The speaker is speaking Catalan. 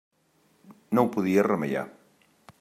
No ho podia remeiar.